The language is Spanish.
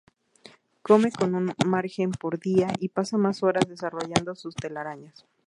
Come con un margen por día y pasa más horas desarrollando sus telarañas.